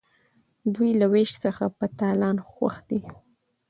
دوی له ویش څخه په تالان خوښ دي.